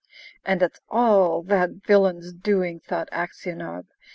"And it's all that villain's doing!" thought Aksionov.